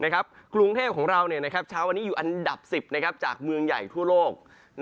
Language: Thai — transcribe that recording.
กรุงเทพของเราเช้าวันนี้อยู่อันดับ๑๐จากเมืองใหญ่ทั่วโลก